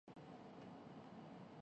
پتہ چلا کہ اسے ملازمت سے نکال دیا گیا ہے